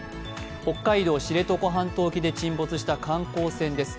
北海道・知床半島沖で沈没した観光船です。